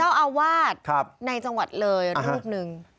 เจ้าอาวาสในจังหวัดเลยรูปหนึ่ง